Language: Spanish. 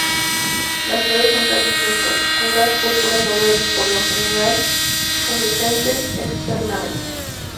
Las flores son casi siempre oscuras, púrpuras o verdes, por lo general pubescentes externamente.